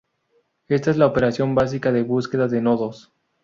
Esta es la operación básica de búsqueda de nodos.